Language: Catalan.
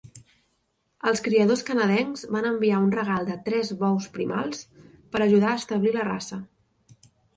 Els criadors canadencs van enviar un regal de tres bous primals per ajudar a establir la raça.